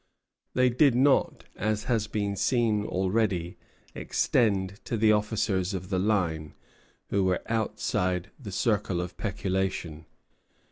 They did not, as has been seen already, extend to the officers of the line, who were outside the circle of peculation.